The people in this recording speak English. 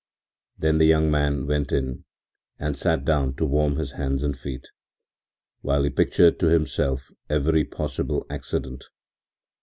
Then the young man went in and sat down to warm his hands and feet, while he pictured to himself every possible accident.